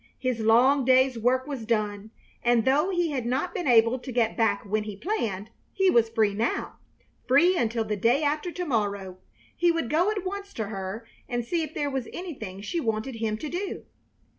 His long day's work was done, and though he had not been able to get back when he planned, he was free now, free until the day after to morrow. He would go at once to her and see if there was anything she wanted him to do.